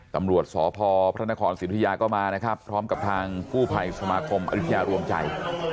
ตำรวจสพพระนครสิทธิยาก็มานะครับพร้อมกับทางกู้ภัยสมาคมอริยารวมใจ